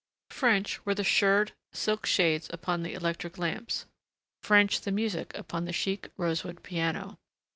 French were the shirred, silk shades upon the electric lamps, French the music upon the chic rosewood piano.